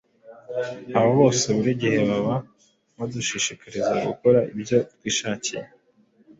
abo bose buri gihe baba badushishikariza gukora ibyo twishakiye